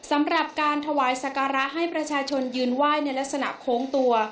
สำหรับการถวายสการะให้ประชาชนยืนไหว้ในลักษณะโค้งตัว